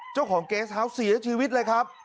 เจ้าของเกสเฮาส์เสียชีวิตเลยครับ